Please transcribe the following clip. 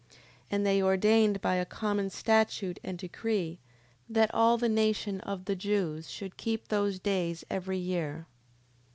10:8. And they ordained by a common statute, and decree, that all the nation of the Jews should keep those days every year.